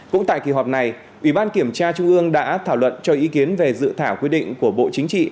cũng tại kỳ họp này ủy ban kiểm tra trung ương đã thảo luận cho ý kiến về dự thảo quy định của bộ chính trị